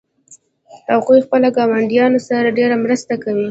هغوی خپل ګاونډیانو سره ډیره مرسته کوي